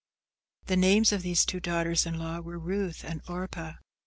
The names of these two daughters in law were Ruth and Orpah.